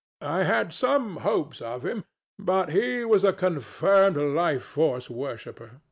I had some hopes of him; but he was a confirmed Life Force worshipper.